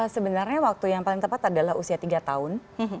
sebenarnya waktu yang paling tepat adalah usia tiga tahun